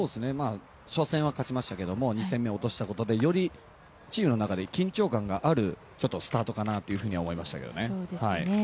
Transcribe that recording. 初戦は勝ちましたけども２戦目、落としたことでよりチームの中で緊張感があるスタートかなと思いましたね。